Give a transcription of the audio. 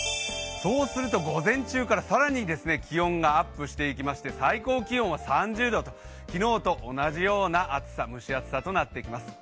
そうすると午前中から更に気温がアップしていって最高気温は３０度と、昨日と同じような暑さ、蒸し暑さとなっていきます。